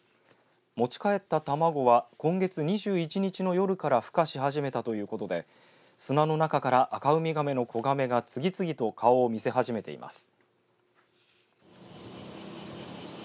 持ち帰った卵は今月２１日の夜からふ化し始めたということで、砂の中からアカウミガメの子ガメが次々と顔を見せ始めています。